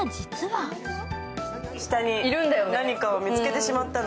下に何かを見つけてしまったの。